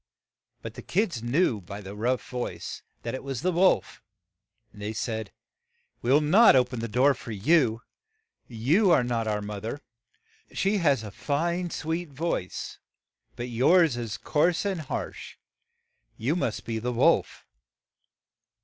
But the kids knew by the rough voice that it was the wolf, and they said, "We will not o pen the door for you. You are not our moth er ; she has a fine, sweet voice, but yours is coarse and harsh ; you must be the wolf.